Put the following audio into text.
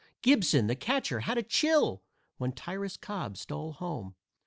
Gibson, the catcher, had a chill When Tyrus Cobb stole home.